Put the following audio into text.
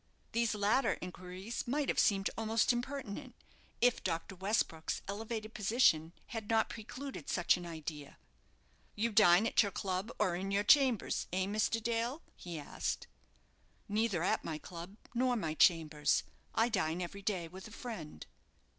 These latter inquiries might have seemed almost impertinent, if Dr. Westbrook's elevated position had not precluded such an idea. "You dine at your club, or in your chambers, eh, Mr. Dale?" he asked. "Neither at my club, nor my chambers; I dine every day with a friend."